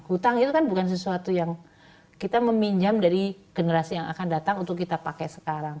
hutang itu kan bukan sesuatu yang kita meminjam dari generasi yang akan datang untuk kita pakai sekarang